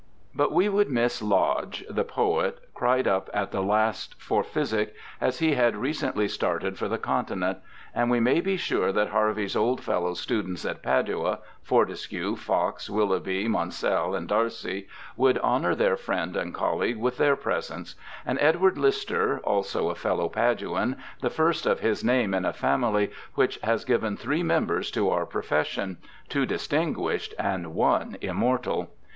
But we would miss Lodge, the poet, ' cried up to the last for physic,' as he had recently started for the Continent. And we may be sure that Harvey's old fellow students at Padua — Fortescue, Fox, Willoughby, Mounsell, and Darcy — would honour their friend and colleague with their presence ; and Edward Lister, also a fellow Paduan, the first of his name in a family which has given three members to our pro fession — two distinguished and one immortal.